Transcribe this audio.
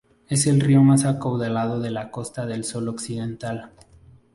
Es el río más caudaloso de la Costa del Sol Occidental.